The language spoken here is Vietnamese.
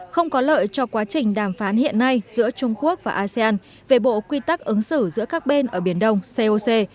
không có lợi cho quá trình đàm phán hiện nay giữa trung quốc và asean về bộ quy tắc ứng xử giữa các bên ở biển đông coc